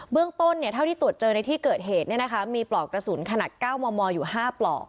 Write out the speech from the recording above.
เรื่องต้นเท่าที่ตรวจเจอในที่เกิดเหตุมีปลอกกระสุนขนาด๙มมอยู่๕ปลอก